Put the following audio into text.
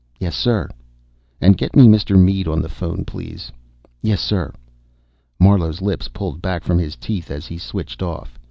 "Yes, sir." "And get me Mr. Mead on the phone, please." "Yes, sir." Marlowe's lips pulled back from his teeth as he switched off.